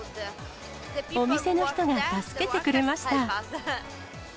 お店の人が助けてくれました。